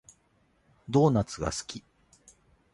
ドーナツが好き